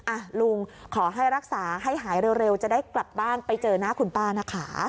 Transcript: อ่ะลุงขอให้รักษาให้หายเร็วจะได้กลับบ้านไปเจอหน้าคุณป้านะคะ